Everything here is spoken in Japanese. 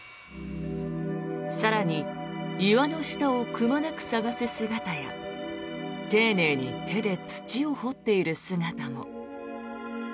更に岩の下をくまなく探す姿や丁寧に手で土を掘っている姿も。